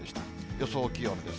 予想気温です。